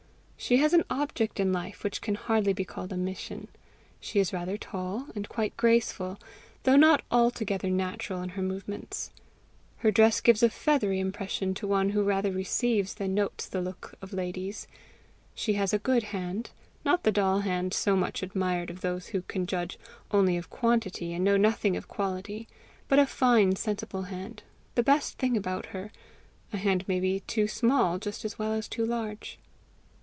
She has an object in life which can hardly be called a mission. She is rather tall, and quite graceful, though not altogether natural in her movements. Her dress gives a feathery impression to one who rather receives than notes the look of ladies. She has a good hand not the doll hand so much admired of those who can judge only of quantity and know nothing of quality, but a fine sensible hand, the best thing about her: a hand may be too small just as well as too large.